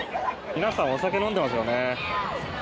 皆さん、お酒飲んでいますよね。